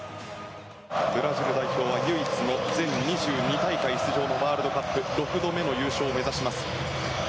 ブラジル代表は唯一の、全２２大会出場のワールドカップ６度目の優勝を目指します。